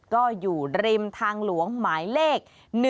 ก็อยู่ริมทางหลวงหมายเลข๑๑